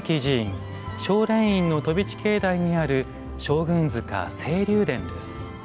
青蓮院の飛地境内にある将軍塚青龍殿です。